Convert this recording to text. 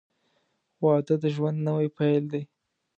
• واده د ژوند نوی پیل دی.